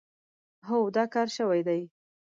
هو، دا کار شوی دی.